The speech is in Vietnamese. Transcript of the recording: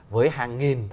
với hàng nghìn